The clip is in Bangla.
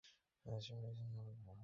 মেডিটেশনের মধ্যে আমার মন অনেক শান্ত ছিল।